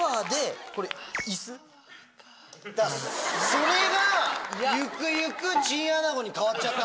それがゆくゆくチンアナゴに変わっちゃった。